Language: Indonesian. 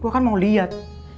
gue kan mau liat